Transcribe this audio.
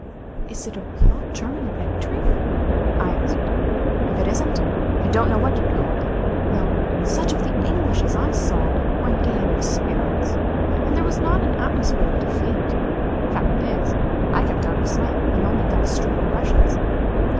"Is it a real German victory?" I asked. "If it isn't I don't know what you'd call it, though such of the English as I saw were in gay enough spirits, and there was not an atmosphere of defeat. Fact is I kept out of sight and only got stray impressions.